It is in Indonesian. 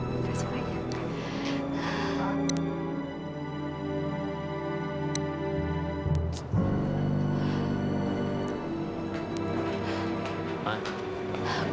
terima kasih banyak